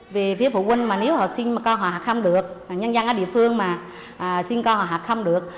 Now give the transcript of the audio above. vì phụ quân nếu họ xin co hòa học không được nhân dân ở địa phương mà xin co hòa học không được